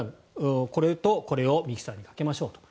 これとこれをミキサーにかけましょうと。